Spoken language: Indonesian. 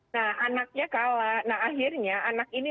nah anaknya kalah nah akhirnya anak ini